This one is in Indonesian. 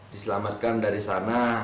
diselamatkan dari sana